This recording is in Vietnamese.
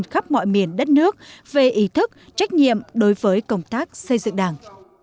khắp mọi miền đất nước về ý thức trách nhiệm đối với công tác xây dựng đảng